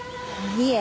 いえ。